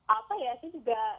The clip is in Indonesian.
apa ya itu juga